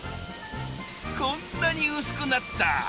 こんなに薄くなった。